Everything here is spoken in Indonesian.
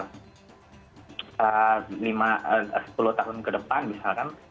sepuluh tahun ke depan misalkan